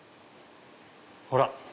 ほら！